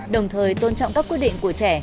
đồng thời tôn trọng các quyết định của trẻ